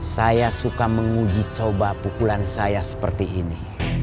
saya suka menguji coba pukulan saya seperti ini